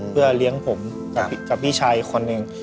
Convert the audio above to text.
เพื่อเลี้ยงผมกับพี่ชายอีกคนหนึ่ง